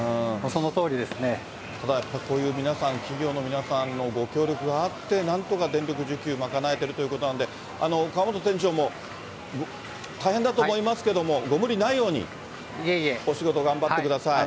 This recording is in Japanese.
ただやっぱり、こういう皆さん、企業の皆さんのご協力があって、なんとか電力需給賄えてるということなんで、河本店長も大変だと思いますけども、ご無理ないように、お仕事頑張ってください。